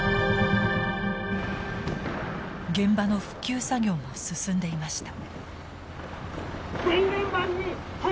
現場の復旧作業も進んでいました。